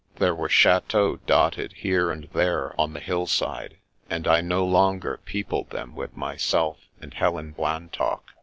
There were chateaux dotted here and there on the hillside, and I no longer peopled them with myself and Helen Blantock.